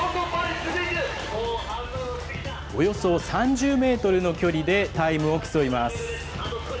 およそ３０メートルの距離でタイムを競います。